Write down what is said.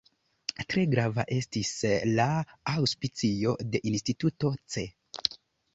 Tre grava estis la aŭspicio de Instituto Ce.